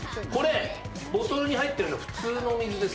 ボトルに入っているのは普通の水です。